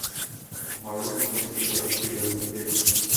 پہاڑوں پر سے برف پگھلتے